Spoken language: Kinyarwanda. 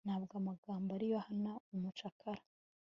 nta bwo amagambo ari yo ahana umucakara